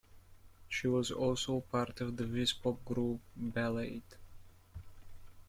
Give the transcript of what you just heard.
She was also part of the vispop group Ballade!.